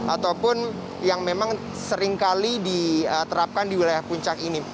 ataupun yang memang seringkali diterapkan di wilayah puncak ini